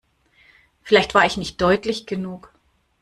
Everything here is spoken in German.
Vielleicht war ich nicht deutlich genug.